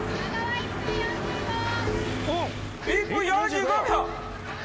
１分４５！